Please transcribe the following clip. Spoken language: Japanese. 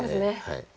はい。